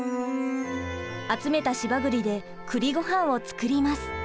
集めた柴栗で栗ごはんを作ります。